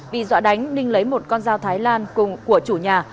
vì dọa đánh ninh lấy một con dao thái lan của chủ nhà